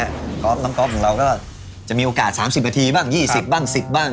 น้องกอล์ฟน้องกอล์ฟของเราก็จะมีโอกาส๓๐นาทีบ้าง๒๐นาทีบ้าง๑๐นาทีบ้าง